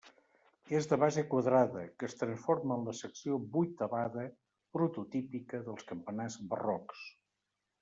És de base quadrada, que es transforma en la secció vuitavada prototípica dels campanars barrocs.